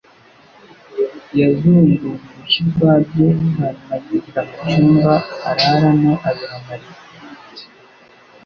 yazunguye urushyi rwa byeri hanyuma yinjira mu cyumba araramo, abiha Mariya.